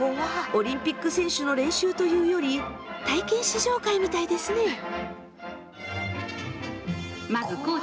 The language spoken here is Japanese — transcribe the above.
オリンピック選手の練習というより体験試乗会みたいですね。